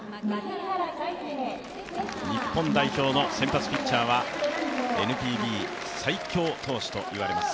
日本代表の先発ピッチャーはＮＰＢ最強投手といわれます